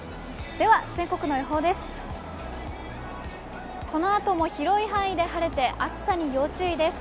では、全国の予報です。